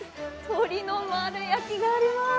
鶏の丸焼きがあります。